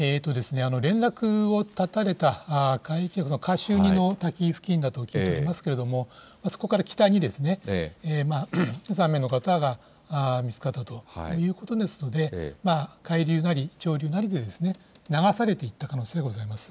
連絡を絶たれたカシュニの滝付近だと聞いておりますけれども、そこから北で３名の方が見つかったということですので、海流なり潮流なりで流されていった可能性がございます。